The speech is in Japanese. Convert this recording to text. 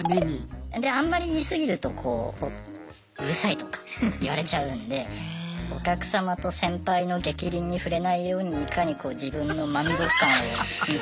であんまり言い過ぎるとうるさいとか言われちゃうんでお客様と先輩のげきりんに触れないようにいかにこう自分の満足感を満たすか。